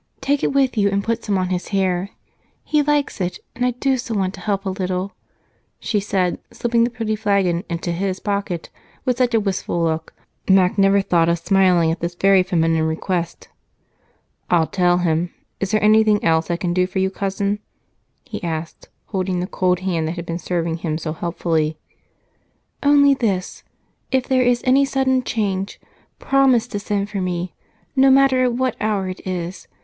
Take it with you and put some on his hair. He likes it, and I do so want to help a little," she said, slipping the pretty flagon into his pocket with such a wistful look Mac never thought of smiling at this very feminine request. "I'll tell him. Is there anything else I can do for you, Cousin?" he asked, holding the cold hand that had been serving him so helpfully. "Only this if there is any sudden change, promise to send for me, no matter at what hour it is.